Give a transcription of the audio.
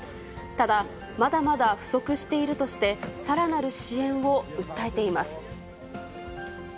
ただ、まだまだ不足しているとして、さらなる支援を訴えています。